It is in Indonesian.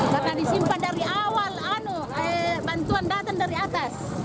karena disimpan dari awal bantuan datang dari atas